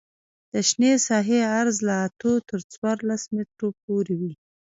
د شنې ساحې عرض له اتو تر څوارلس مترو پورې وي